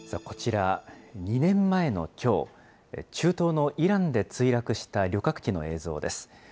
こちら、２年前のきょう、中東のイランで墜落した旅客機の映像です。